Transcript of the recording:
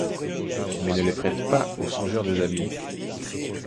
Mais ne les prête pas au songeur des abîmes !